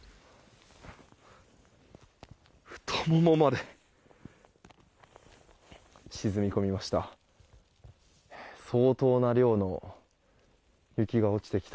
太ももまで沈み込みました。